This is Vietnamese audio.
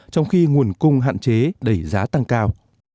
trong khi nguồn cung hạn chế đẩy giá tăng cao